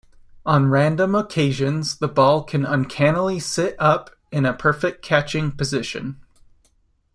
On random occasions, the ball can uncannily sit up in a perfect catching position.